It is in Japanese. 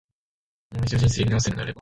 もう一度、人生やり直せるのであれば、